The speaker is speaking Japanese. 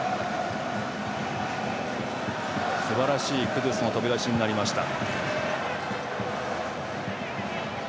すばらしいクドゥスの飛び出しになりました。